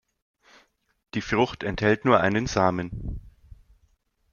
Die Frucht enthält nur einen Samen.